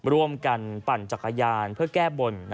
ร่วมกันปั่นจักรยานเพื่อแก้บน